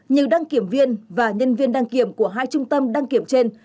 như đăng kiểm viên và nhân viên đăng kiểm của hai trung tâm đăng kiểm trên